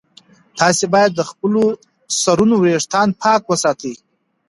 تاسي باید د خپلو سرونو ویښتان پاک وساتئ.